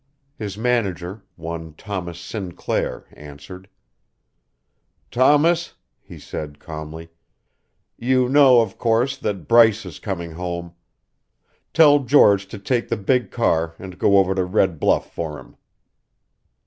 His manager, one Thomas Sinclair, answered. "Thomas," he said calmly, "you know, of course, that Bryce is coming home. Tell George to take the big car and go over to Red Bluff for him."